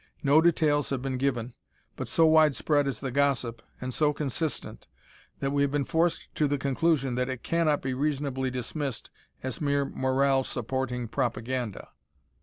No details have been given, but so widespread is the gossip, and so consistent, that we have been forced to the conclusion that it cannot be reasonably dismissed as mere morale supporting propaganda.